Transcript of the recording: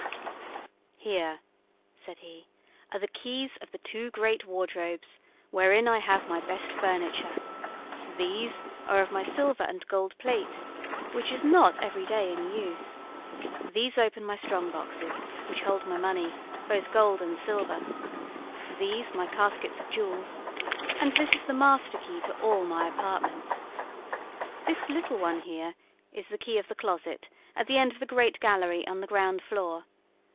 "Here," said he, "are the keys of the two great wardrobes wherein I have my best furniture; these are of my silver and gold plate, which is not every day in use; these open my strong boxes, which hold my money, both gold and silver; these my caskets of jewels; and this is the master key to all my apartments. This little one here is the key of the closet at the end of the great gallery on the ground floor.